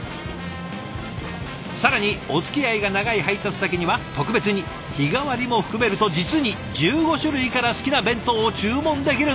更におつきあいが長い配達先には特別に日替わりも含めると実に１５種類から好きな弁当を注文できるんですって。